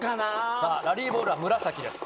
ラリーボールは紫です。